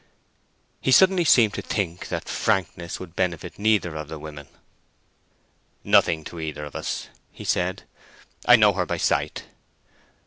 He suddenly seemed to think that frankness would benefit neither of the women. "Nothing to either of us," he said. "I know her by sight."